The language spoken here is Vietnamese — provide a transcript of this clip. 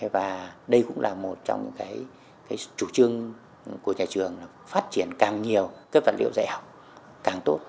và đây cũng là một trong những chủ trương của nhà trường là phát triển càng nhiều các vật liệu dạy học càng tốt